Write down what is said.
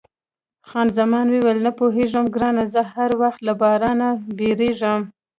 خان زمان وویل، نه پوهېږم ګرانه، زه هر وخت له بارانه بیریږم.